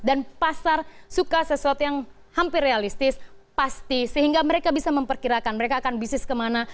dan pasar suka sesuatu yang hampir realistis pasti sehingga mereka bisa memperkirakan mereka akan bisnis kemana